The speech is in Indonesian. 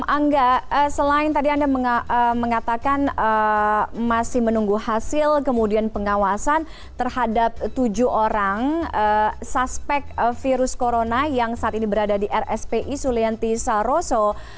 angga selain tadi anda mengatakan masih menunggu hasil kemudian pengawasan terhadap tujuh orang suspek virus corona yang saat ini berada di rspi sulianti saroso